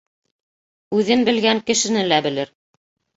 Үҙен белгән кешене лә белер.